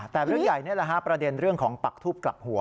แต่เรื่องใหญ่นี่แหละฮะประเด็นเรื่องของปักทูบกลับหัว